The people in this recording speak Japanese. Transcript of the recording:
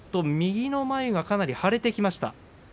右の眉がかなり腫れてきました。